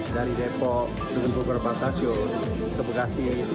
dari depok teguh teguh kepala pasasio ke bekasi ke manggarai ini sudah common ya